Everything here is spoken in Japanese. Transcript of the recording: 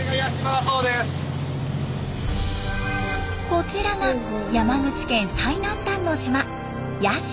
こちらが山口県最南端の島八島。